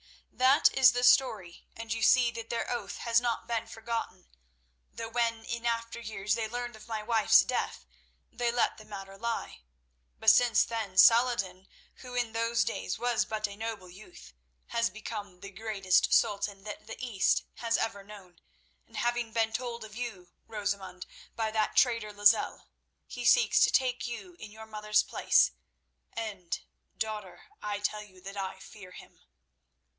"That is the story, and you see that their oath has not been forgotten, though when in after years they learned of my wife's death, they let the matter lie. But since then Saladin, who in those days was but a noble youth, has become the greatest sultan that the East has ever known, and having been told of you, Rosamund, by that traitor Lozelle, he seeks to take you in your mother's place, and, daughter, I tell you that I fear him."